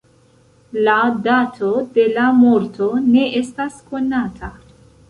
La dato de la morto ne estas konata.